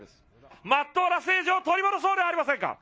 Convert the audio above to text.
まっとうな政治を取り戻そうではありませんか。